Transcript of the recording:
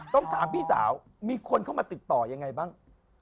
ต้องถามพี่สาวมีคนเข้ามาติดต่อยังไงบ้าง